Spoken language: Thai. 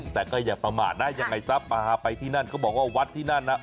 แต่ก็อย่าประมาทนะยังไงซะพาไปที่นั่นเขาบอกว่าวัดที่นั่นน่ะ